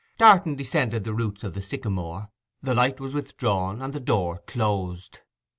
Darton descended the roots of the sycamore, the light was withdrawn, and the door closed.